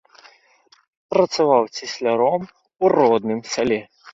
Працаваў цесляром у родным сяле.